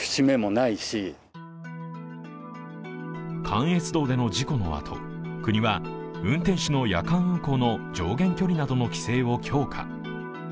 関越道での事故のあと、国は、運転手の夜間運行の上限距離などの規制を強化。